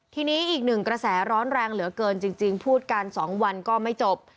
ทีนี้อีกหนึ่งกระแสร้อนแรงเหลือเกินจริงพูดกัน๒วันก็ไม่จบ